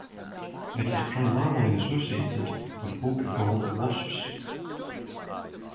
It is primarily associated with oak gall wasps.